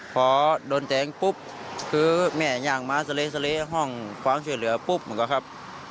พอโดนแทงปุ๊บคือแม่ย่างมาเสล๊ะห้องความเสียเหลือปุ๊บ